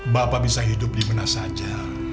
bapak bisa hidup dimana saja